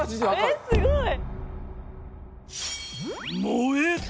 えっすごい。